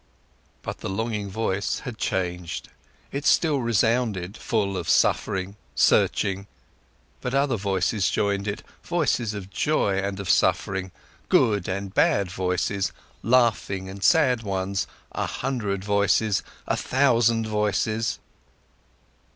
But the longing voice had changed. It still resounded, full of suffering, searching, but other voices joined it, voices of joy and of suffering, good and bad voices, laughing and sad ones, a hundred voices, a thousand voices.